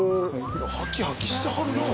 ハキハキしてはるなあ。